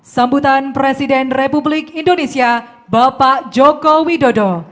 sambutan presiden republik indonesia bapak joko widodo